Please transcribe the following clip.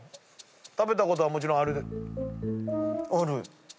食べたことはもちろんある？